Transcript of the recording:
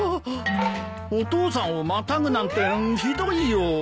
お父さんをまたぐなんてひどいよ。